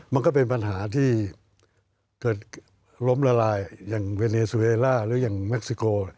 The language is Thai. มันก็เป็นปัญหาที่เกิดล้มละลายอย่างเวเนซูเอล่าหรืออย่างเม็กซิโก